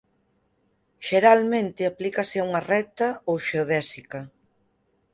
Xeralmente aplícase a unha recta ou xeodésica.